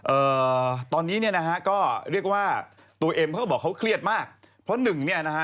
เอ่อตอนนี้เนี่ยนะฮะก็เรียกว่าตัวเอ็มเขาก็บอกเขาเครียดมากเพราะหนึ่งเนี่ยนะฮะ